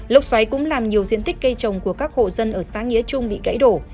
lốc xoáy cũng làm nhiều diện tích cây trồng của các hộ dân ở xã nghĩa trung bị gãy đổ